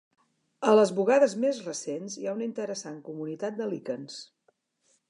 A les bugades més recents hi ha una interessant comunitat de líquens.